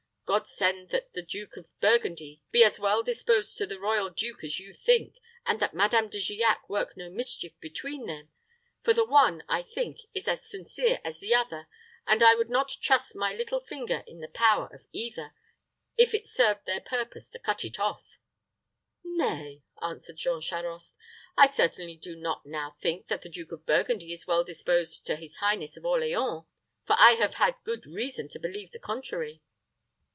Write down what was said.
God send that the Duke of Burgundy be as well disposed to the royal duke as you think, and that Madame de Giac work no mischief between them; for the one, I think, is as sincere as the other, and I would not trust my little finger in the power of either, if it served their purpose to cut it off." "Nay," answered Jean Charost; "I certainly do not now think that the Duke of Burgundy is well disposed to his highness of Orleans; for I have had good reason to believe the contrary."